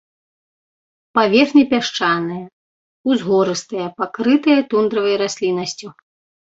Паверхня пясчаная, узгорыстая, пакрытая тундравай расліннасцю.